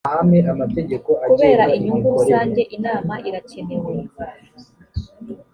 kubera inyungu rusange inama irakenewe